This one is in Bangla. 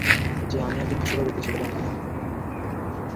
যে আমি একজন হাস্যকর ব্যক্তি সেটা জানি কিনা?